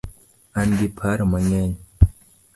An gi paro mangeny